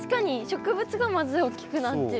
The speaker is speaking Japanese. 植物がまず大きくなってる。